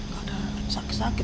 gak ada sakit sakit